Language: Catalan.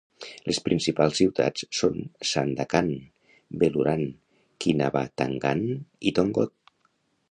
Les principals ciutats són Sandakan, Beluran, Kinabatangan i Tongod.